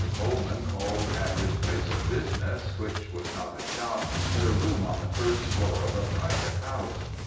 Colman called at his place of business, which was not a shop, but a room on the first floor of a private house.